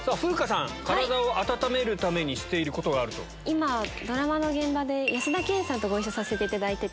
今ドラマの現場で安田顕さんとご一緒させていただいてて。